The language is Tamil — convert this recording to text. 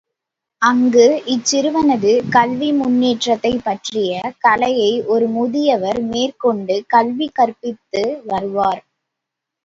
அங்கு இச்சிறுவனது கல்வி முன்னேற்றத்தைப் பற்றிய கலையை ஒரு முதியவர் மேற்கொண்டு கல்வி கற்பித்து வருவார்.